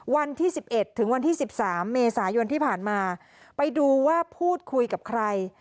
วันที่๑๑ถึงวันที่๑๓เมษายนที่ผ่านมาไปดูว่าพูดคุยกับใคร